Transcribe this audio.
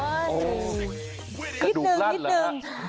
กระดูกรัดหรืองักนะนิดนึง